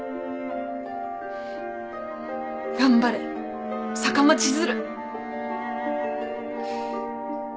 頑張れ坂間千鶴！